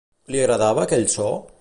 Li agradava aquell so?